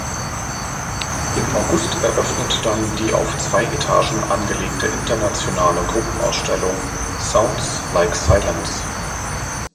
Im August eröffnete dann die auf zwei Etagen angelegte internationale Gruppenausstellung „Sounds like Silence“.